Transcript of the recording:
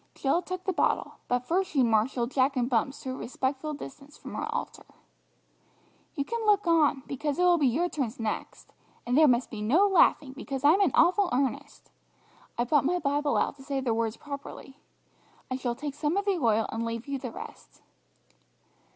Jill took the bottle, but first she marshalled Jack and Bumps to a respectful distance from her altar. "You can look on, because it will be your turns next, and there must be no laughing, because I'm in awful earnest. I've brought my Bible out to say the words properly. I shall take some of the oil, and leave you the rest."